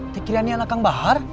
teh kirani anak kang bahar